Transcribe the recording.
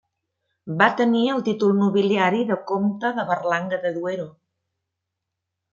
Va tenir el títol nobiliari de comte de Berlanga de Duero.